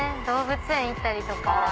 動物園行ったりとか。